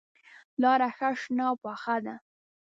لاره ښه شنه او پوخه ده.